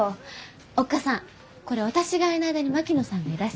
おっ母さんこれ私がいない間に槙野さんがいらしたら。